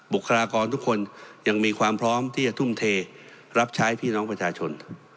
ครากรทุกคนยังมีความพร้อมที่จะทุ่มเทรับใช้พี่น้องประชาชน